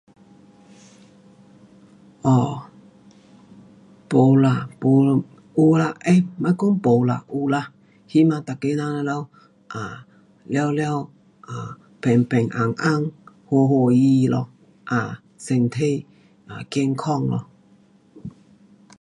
um 没啦，没 um 有啦，诶，别讲没啦，有啦，希望每个人全部，um 全部 um 平平安安，好好欢喜咯。um 身体 um 健康咯。